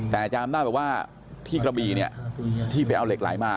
แต่จำได้ว่าที่กระบีที่ไปเอาเหล็กไหลมา